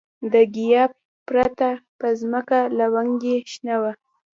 د ګیاه پرته په ځمکه لونګۍ شنه وه.